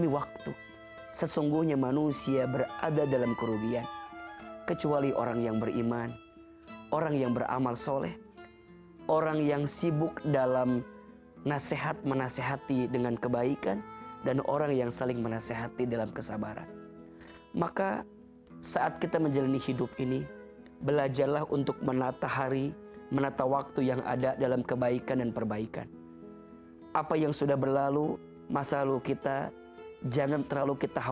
wassalamualaikum warahmatullahi wabarakatuh